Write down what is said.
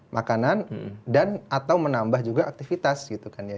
makanan dan atau menambah juga aktivitas gitu kan ya